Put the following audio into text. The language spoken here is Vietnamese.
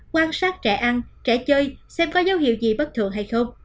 quan sát trẻ ăn trẻ chơi xem có dấu hiệu gì bất thường hay không